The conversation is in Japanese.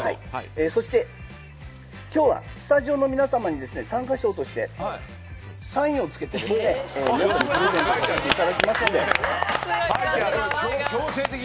そして今日は、スタジオの皆様に参加賞としてサインをつけてプレゼントさせていただきますので。